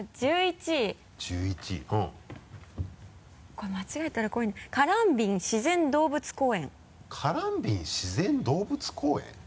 これ間違えたら怖い「カランビン自然動物公園」「カランビン自然動物公園」？